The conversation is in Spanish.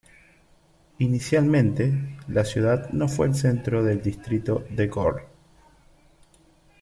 Inicialmente, la ciudad no fue el centro del Distrito de Gore.